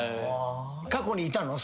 過去にいたの？